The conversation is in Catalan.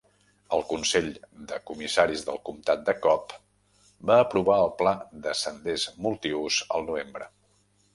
El Consell de Comissaris del Comtat de Cobb va aprovar el pla de senders multiús al novembre.